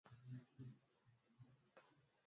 Sikuku ana miaka ishirini na nne